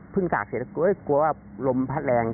เพิ่งตักเสร็จกลัวว่าลมพัดแรง